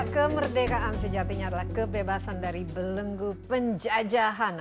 kemerdekaan sejatinya adalah kebebasan dari belenggu penjajahan